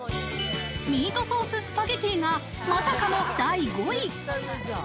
ミートソーススパゲティが、まさかの第５位。